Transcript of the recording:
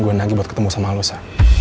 gue nagih buat ketemu sama elsa